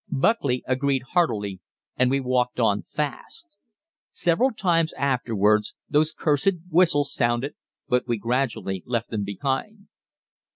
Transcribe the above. Buckley agreed heartily, and we walked on fast. Several times afterwards those cursed whistles sounded, but we gradually left them behind.